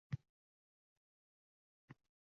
Ammo hayotimning